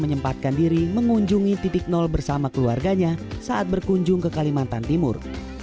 menyempatkan diri mengunjungi titik nol bersama keluarganya saat berkunjung ke kalimantan timur